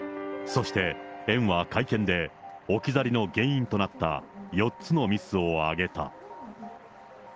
そして、園は会見で、置き去りの原因となった４つのミスを挙げた。